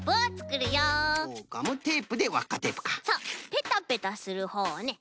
ペタペタするほうをね